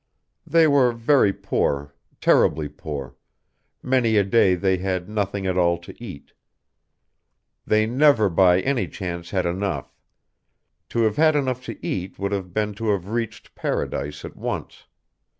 They were very poor, terribly poor many a day they had nothing at all to eat. They never by any chance had enough: to have had enough to eat would have been to have reached paradise at once.